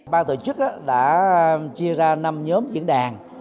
ban tổ chức đã chia ra năm nhóm diễn đàn